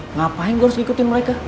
ngapain gue harus ikutin mereka